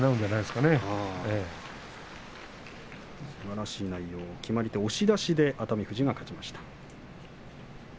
すばらしい内容押し出しで熱海富士が勝ちました。